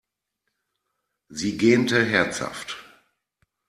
Sie gähnte herzhaft.